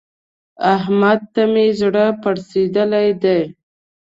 احمد ته مې زړه پړسېدلی دی.